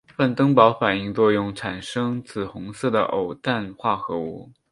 范登堡反应作用产生紫红色的偶氮化合物。